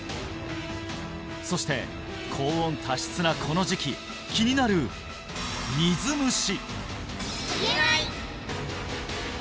そして高温多湿なこの時期気になる水虫言えない！